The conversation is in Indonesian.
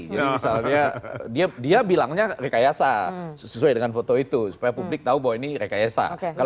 jadi misalnya dia bilangnya rekayasa sesuai dengan foto itu supaya publik tahu bahwa ini rekayasa